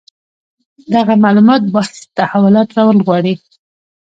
دغه معلومات باید تحولات راونغاړي.